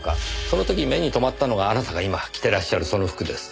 その時目にとまったのがあなたが今着てらっしゃるその服です。